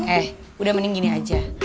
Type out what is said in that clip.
eh udah mending gini aja